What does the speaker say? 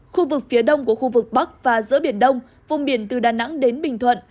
khu vực phía đông của khu vực bắc và giữa biển đông vùng biển từ đà nẵng đến bình thuận